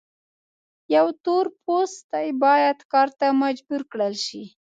یو تور پوستی باید کار ته مجبور کړل شي.